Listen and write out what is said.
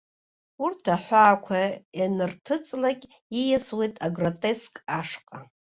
Урҭ аҳәаақәа ианырҭыҵлак, ииасуеит агротеск ашҟа.